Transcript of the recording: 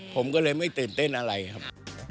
ผมก็เลยไม่ตื่นเต้นอะไรครับ